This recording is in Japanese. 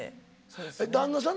旦那さん